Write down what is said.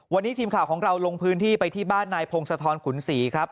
วันนี้ทีมข่าวของเราลงพื้นที่ไปที่บ้านนายพงศธรขุนศรีครับ